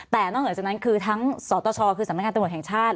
แต่นอกเหนือจากนั้นคือทั้งสตชคือสำนักงานตำรวจแห่งชาติ